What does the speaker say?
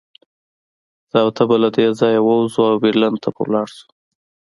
زه او ته به له دې ځایه ووځو او برلین ته به لاړ شو